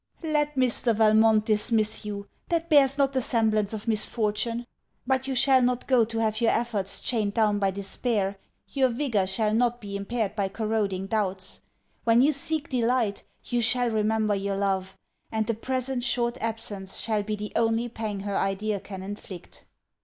Let Mr. Valmont dismiss you; that bears not the semblance of misfortune. But you shall not go to have your efforts chained down by despair, your vigour shall not be impaired by corroding doubts. When you seek delight, you shall remember your love, and the present short absence shall be the only pang her idea can inflict.